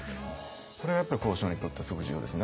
それがやっぱり交渉にとってすごく重要ですね。